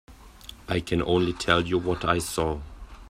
I can only tell you what I saw.